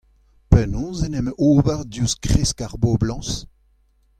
Penaos en em ober diouzh kresk ar boblañs ?